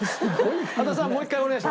羽田さんもう一回お願いします。